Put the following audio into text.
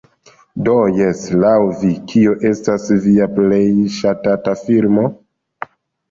Do jes, laŭ vi, kio estas via plej ŝatata filmo?